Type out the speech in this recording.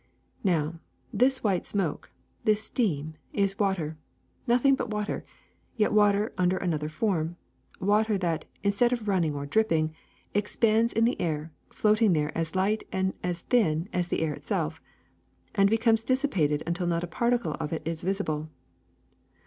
Now, this white smoke, this steam, is water, noth ing but water ; yet water under another form, water that, instead of running or dripping, expands in the air, floating there as light and thin as the air itself, and becomes dissipated until not a particle of it is visible.